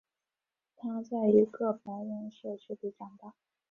他在一个白人社区里长大。